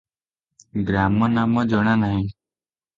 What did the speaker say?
ଗ୍ରାମ ନାମ ଜଣା ନାହିଁ ।